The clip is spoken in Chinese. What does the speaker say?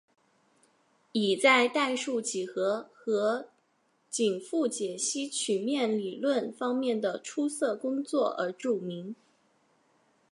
以在代数几何和紧复解析曲面理论方面的出色工作而著名。